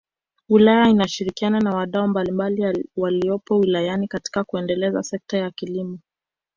Wilaya inashirikiana na wadau mbalimbali waliopo wilayani katika kuendeleza sekta ya kilimo